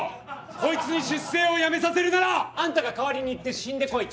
こいつに出征をやめさせるならあんたが代わりに行って死んでこい！